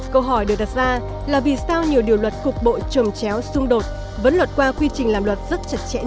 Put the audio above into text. câu hỏi được đặt ra là vì sao nhiều điều luật cục bộ trồm chéo xung đột vẫn luật qua quy trình làm luật rất chặt chẽ